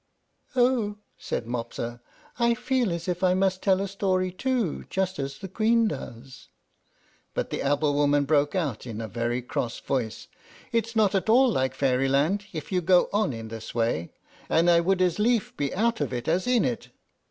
"Oh!" said Mopsa; "I feel as if I must tell a story too, just as the Queen does." But the apple woman broke out in a very cross voice, "It's not at all like Fairyland, if you go on in this way, and I would as lieve be out of it as in it."